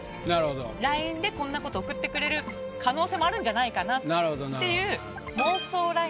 ＬＩＮＥでこんなこと送ってくれる可能性もあるんじゃないかなっていう。